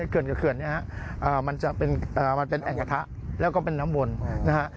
เกือร์นกับเกือร์นนะครับมันจะเป็นแอ่งกระทะแล้วก็เป็นน้ำวนนะครับ